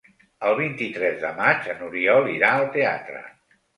El vint-i-tres de maig n'Oriol irà al teatre.